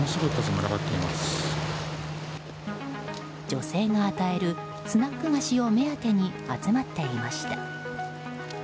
女性が与えるスナック菓子を目当てに集まっていました。